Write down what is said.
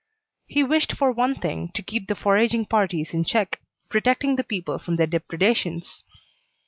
He wished, for one thing, to keep the foraging parties in check, protecting the people from their depredations."